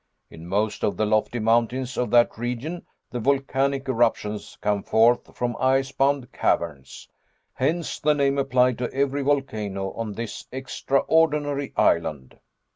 In most of the lofty mountains of that region the volcanic eruptions come forth from icebound caverns. Hence the name applied to every volcano on this extraordinary island."